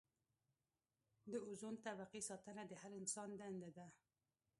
د اوزون طبقې ساتنه د هر انسان دنده ده.